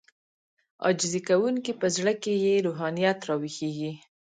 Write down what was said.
عاجزي کوونکی په زړه کې يې روحانيت راويښېږي.